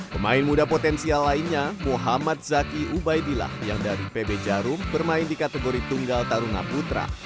pemain muda potensial lainnya muhammad zaki ubaidillah yang dari pb jarum bermain di kategori tunggal taruna putra